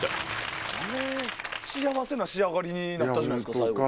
幸せな仕上がりになったじゃないですか最後。